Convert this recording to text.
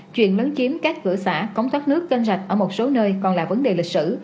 chuyện lấn chiếm các cửa xã cống thoát nước kênh rạch ở một số nơi còn là vấn đề lịch sử